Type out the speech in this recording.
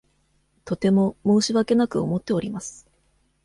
とても申し訳なく思っております。